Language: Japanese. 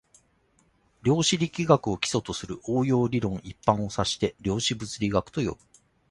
量子力学を基礎とする応用理論一般を指して量子物理学と呼ぶ